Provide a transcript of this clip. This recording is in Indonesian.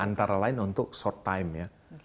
antara lain untuk short time ya